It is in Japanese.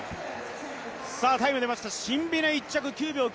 タイムが出ましたシンビネ１着、９秒９７。